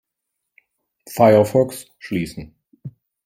Firefox schließen.